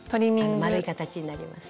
丸い形になります。